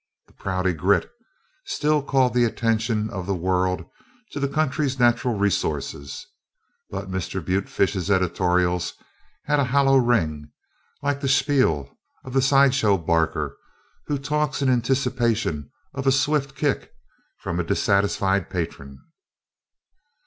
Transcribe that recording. The Prouty Grit still called the attention of the world to the country's natural resources, but Mr. Butefish's editorials had a hollow ring, like the "spiel" of the sideshow barker, who talks in anticipation of a swift kick from a dissatisfied patron.